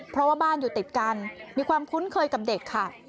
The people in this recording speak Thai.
เพราะว่าบ้านอยู่ติดกันมีความคุ้นเคยกับเด็กค่ะ